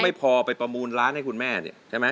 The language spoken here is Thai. เอาไปประมูลร้านให้คุณแม่ติ๊ยใช่ไหม